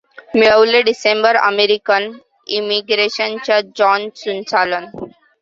मिळविले December American immigration च्या John सुचालन.